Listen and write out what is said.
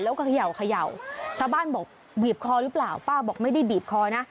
แล้วก็เขย่าเขย่าชาวบ้านบอกบีบคอหรือเปล่าป้าบอกไม่ได้บีบคอนะ